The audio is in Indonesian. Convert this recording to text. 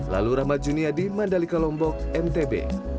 lalu rahmat juniadi mandalika lombok mtb